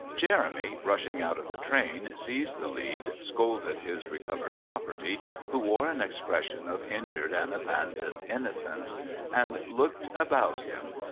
Jeremy, rushing out of the train, seized the lead, scolded his recovered property, who wore an expression of injured and abandoned innocence, and looked about him.